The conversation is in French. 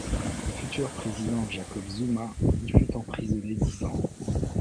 Le futur président Jacob Zuma y fut emprisonné dix ans.